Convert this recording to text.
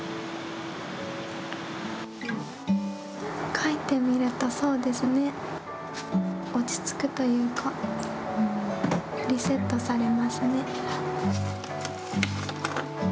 書いてみるとそうですね、落ち着くというかリセットされますね。